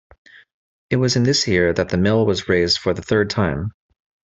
It was in this year that the mill was raised for the third time.